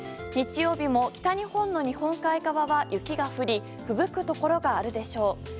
日曜日も北日本の日本海側は雪が降りふぶくところがあるでしょう。